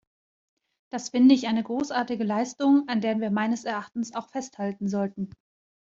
Das finde ich eine großartige Leistung, an der wir meines Erachtens auch festhalten sollten.